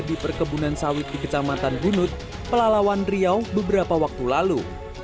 di perkebunan sawit di kecamatan bunut pelalawan riau beberapa waktu lalu